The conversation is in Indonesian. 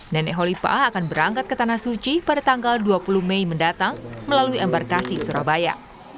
nenek holifah akan berangkat ke tanah suci pada tanggal dua puluh mei mendatang melalui embarkasi surabaya